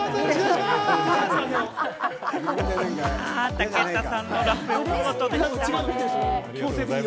武田さんのラン、お見事でした。